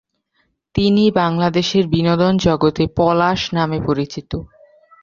তিনি বাংলাদেশের বিনোদন জগতে পলাশ নামে পরিচিত।